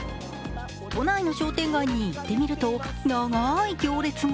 都内の商店街に行ってみると長い行列が。